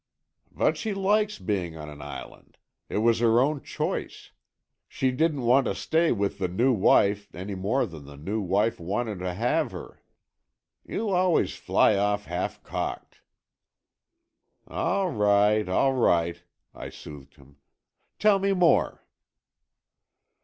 "But she likes being on an island. It was her own choice. She didn't want to stay with the new wife any more than the new wife wanted to have her. You always fly off half cocked!" "All right, all right," I soothed him. "Tell me more."